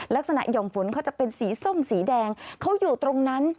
หย่อมฝนเขาจะเป็นสีส้มสีแดงเขาอยู่ตรงนั้น